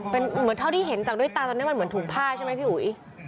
เหมือนที่เห็นจากด้วยตาอะไรมันเหมือนถูกผ้าใช่มั้ยพี่อุ๊ย